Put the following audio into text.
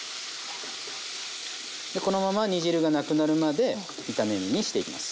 このまま煮汁がなくなるまで炒め煮にしていきます。